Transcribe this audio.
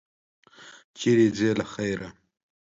چېرته ځې، له خیره؟